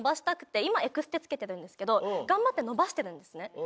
今エクステつけてるんですけど頑張って伸ばしてるんですね。